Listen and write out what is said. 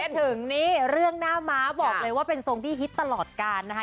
ถึงนี่เรื่องหน้าม้าบอกเลยว่าเป็นทรงที่ฮิตตลอดการนะคะ